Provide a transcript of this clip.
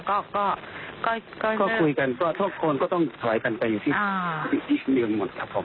ก็ก็คุยกันก็ทุกคนก็ต้องถอยกันไปอยู่ที่อีกเดือนหมดครับผม